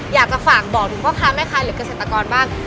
อยากจะฝากบอกถึงพ่อค้าแม่ค้าหรือเกษตรกรบ้าง